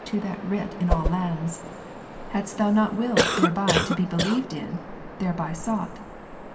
to that Writ in all lands, hadst Thou not willed thereby to ^'^'' be believed in, thereby sought.